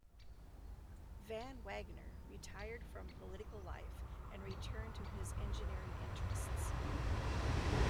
Van Wagoner retired from political life and returned to his engineering interests.